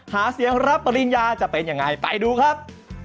หาเสียงรับปริญญาจะเป็นยังไงไปดูครับ